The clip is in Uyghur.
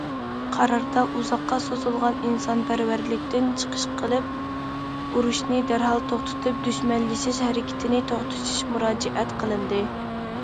قاراردا ئۇزاققا سوزۇلغان ئىنسانپەرۋەرلىكتىن چىقىش قىلىپ ئۇرۇشنى دەرھال توختىتىپ، دۈشمەنلىشىش ھەرىكىتىنى توختىتىش مۇراجىئەت قىلىندى.